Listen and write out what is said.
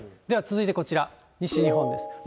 では続いてこちら、西日本です。